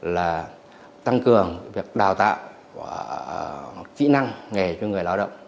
là tăng cường việc đào tạo và kỹ năng nghề cho người lao động